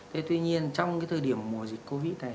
thế tuy nhiên trong cái thời điểm mùa dịch covid này